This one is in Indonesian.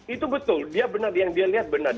itu betul dia benar yang dia lihat benar